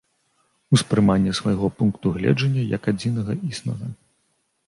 Успрыманне свайго пункту гледжання як адзінага існага.